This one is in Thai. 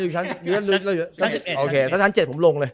ชั้น๗ผมลงเลย